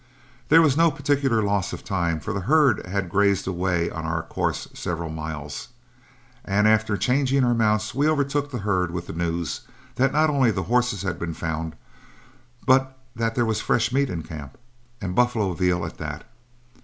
There was no particular loss of time, for the herd had grazed away on our course several miles, and after changing our mounts we overtook the herd with the news that not only the horses had been found, but that there was fresh meat in camp and buffalo veal at that!